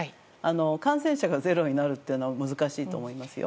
感染者がゼロになるのは難しいと思いますよ。